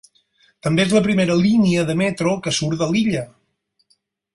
També és la primera línia de metro que surt de l'illa.